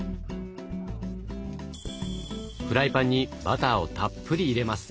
フライパンにバターをたっぷり入れます。